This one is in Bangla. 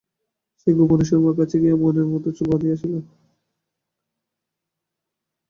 সে গোপনে সুরমার কাছে গিয়া মনের মতো চুল বাঁধিয়া আসিল।